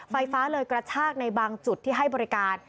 ไฟฟ้าเลยกระชากในบางจุดที่ให้บริการ